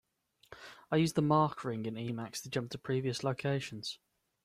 I use the mark ring in Emacs to jump to previous locations.